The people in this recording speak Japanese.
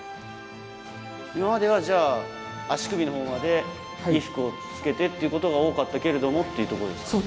今まではじゃあ、足首のほうまで衣服をつけてって事が多かったけどもっていうところですか？